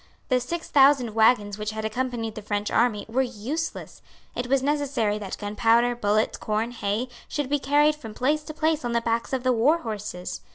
The six thousand waggons which had accompanied the French army were useless. It was necessary that gunpowder, bullets, corn, hay, should be carried from place to place on the backs of the war horses.